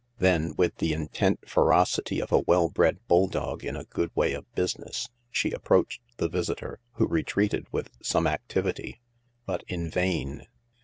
Then, with the intent ferocity of a well bred bulldog in a good way of business, she approached the visitor, who retreated with some activity. But in vain.